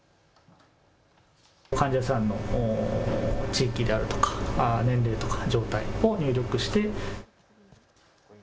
患者さんの地域であるとか、年齢とか状態を入力して。